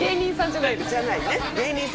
じゃないね。